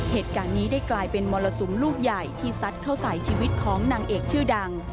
เหตุการณ์นี้ได้กลายเป็นมรสุมลูกใหญ่ที่ซัดเข้าใส่ชีวิตของนางเอกชื่อดัง